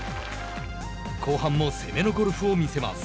後半も攻めのゴルフを見せます。